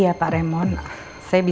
sampai jumpa lagi